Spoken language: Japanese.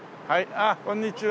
あっこんにちは。